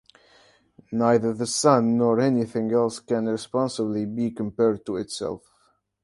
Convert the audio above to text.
Neither the sun nor anything else can reasonably be compared to itself.